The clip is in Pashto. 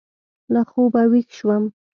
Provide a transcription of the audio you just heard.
له خوبه وېښ شوم.